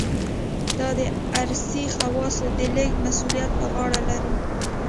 دا د ارثي خواصو د لېږد مسوولیت په غاړه لري.